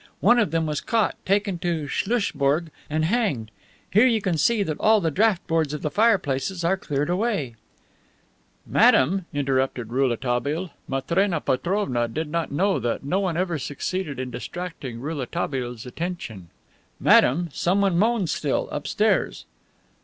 One of them was caught, taken to Schlusselbourg and hanged. Here you can see that all the draught boards of the fireplaces are cleared away." *Actual attack on Witte. "Madame," interrupted Rouletabille (Matrena Petrovna did not know that no one ever succeeded in distracting Rouletabille's attention), "madame, someone moans still, upstairs."